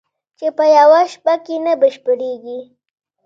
چې په یوه شپه کې نه بشپړېږي